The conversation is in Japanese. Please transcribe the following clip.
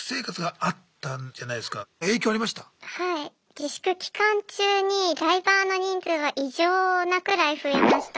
自粛期間中にライバーの人数は異常なくらい増えました。